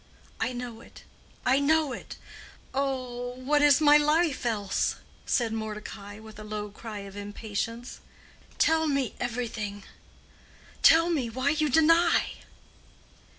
"I know it—I know it; what is my life else?" said Mordecai, with a low cry of impatience. "Tell me everything: tell me why you deny."